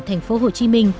thành phố hồ chí minh